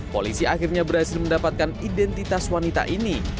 polisi akhirnya berhasil mendapatkan identitas wanita ini